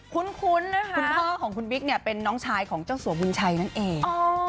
คุ้นนะคะคุณพ่อของคุณบิ๊กเนี่ยเป็นน้องชายของเจ้าสัวบุญชัยนั่นเอง